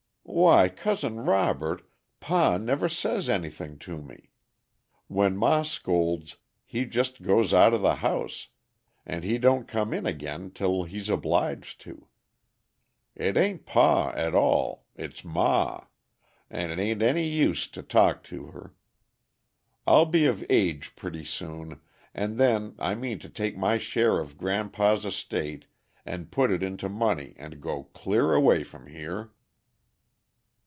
"Why, Cousin Robert, pa never says anything to me. When ma scolds he just goes out of the house, and he don't come in again till he's obliged to. It a'n't pa at all, it's ma, and it a'n't any use to talk to her. I'll be of age pretty soon, and then I mean to take my share of grandpa's estate, and put it into money and go clear away from here."